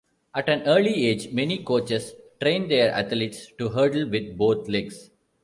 At an early age, many coaches train their athletes to hurdle with both legs.